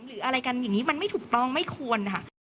หรืออะไรกันอย่างนี้มันไม่ถูกต้องไม่ควรค่ะ